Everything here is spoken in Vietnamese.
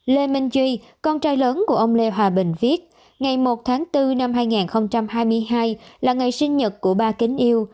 lê minh duy con trai lớn của ông lê hòa bình viết ngày một tháng bốn năm hai nghìn hai mươi hai là ngày sinh nhật của ba kính yêu